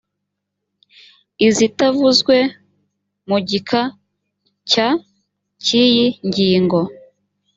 izitavuzwe mu gika cya cy iyi ngingo